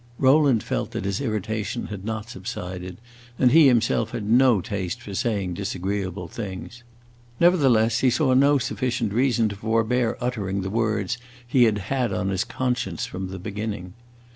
Rowland felt that his irritation had not subsided, and he himself had no taste for saying disagreeable things. Nevertheless he saw no sufficient reason to forbear uttering the words he had had on his conscience from the beginning.